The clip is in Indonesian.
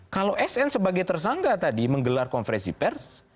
kalau sn sebagai tersangka tadi menggelar konferensi pers